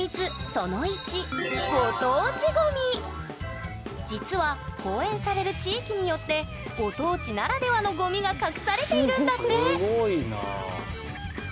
その１実は公演される地域によってご当地ならではのゴミが隠されているんだって！すごくね？